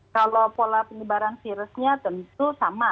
kalau pola penyebaran virusnya tentu sama